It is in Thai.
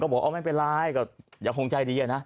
ก็บอกไม่เป็นไรก็อย่าคงใจดีนะ